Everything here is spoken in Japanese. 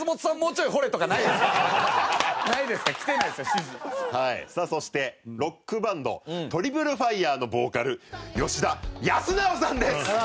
さあそしてロックバンドトリプルファイヤーのボーカル吉田靖直さんです。